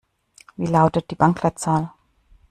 Wie lautet die Bankleitzahl?